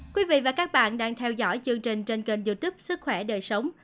quý vị và các bạn đang theo dõi chương trình trên kênh youtube sức khỏe đời sống